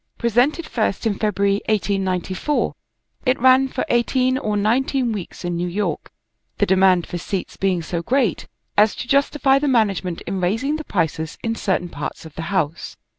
Presented first in February, 1894, it ran for eighteen or nineteen weeks in New York, the demand for seats being so great as to justify the management in raising the prices in certain parts of the house.